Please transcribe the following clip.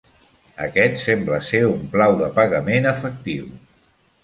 Aquest sembla ser un pla de pagament efectiu.